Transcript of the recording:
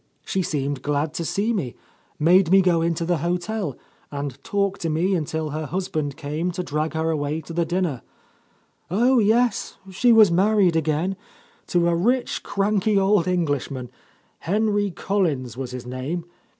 She seemed glad to see me, made me go into the hotel, and talked to me until her husband came to drag her away to the dinner. Oh, yes, she was married again, — to a rich, cranky old Englishman; Henry Collins was his name.